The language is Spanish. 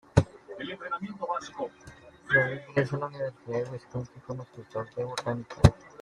Luego ingresa a la Universidad de Wisconsin como instructor en botánica.